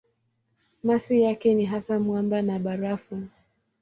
Masi yake ni hasa mwamba na barafu.